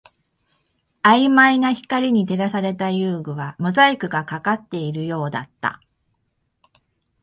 曖昧な光に照らされた遊具はモザイクがかかっているようだった